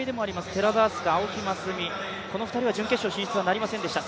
寺田明日香、青木益未、この２人は準決勝進出はなりませんでした。